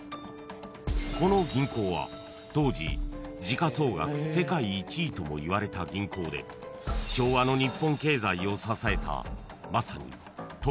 ［この銀行は当時時価総額世界１位ともいわれた銀行で昭和の日本経済を支えたまさに］